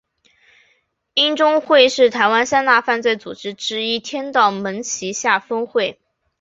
鹰中会是台湾三大犯罪组织之一天道盟旗下分会。